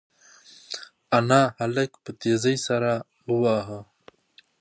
انا هلک په تېزۍ سره وواهه.